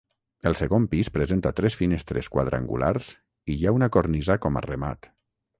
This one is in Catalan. El segon pis presenta tres finestres quadrangulars i hi ha una cornisa com a remat.